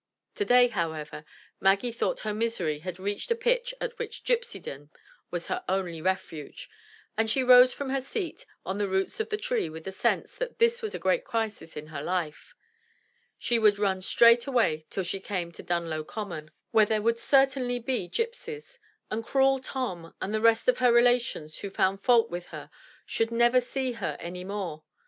Today, however, Maggie thought her misery had reached a pitch at which gypgydom was her only refuge, and she rose from her seat on the roots of the tree with the sense that this was a great crisis in her life; she would run straight away till she came to Dunlow Common, where 238 THE TREASURE CHEST there would certainly be gypsies; and cruel Tom, and the rest of her relations who found fault with her, should never see her any more.